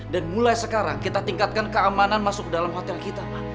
dan mulai sekarang kita tingkatkan keamanan masuk dalam hotel kita ma